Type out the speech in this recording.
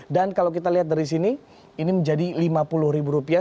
dan kalau kita lihat dari sini ini menjadi lima puluh ribu rupiah